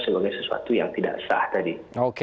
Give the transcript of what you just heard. sebagai sesuatu yang tidak sah tadi